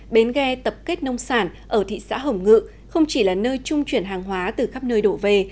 bến ghe tập kết nông sản ở thị xã hồng ngự không chỉ là nơi trung chuyển hàng hóa từ khắp nơi đổ về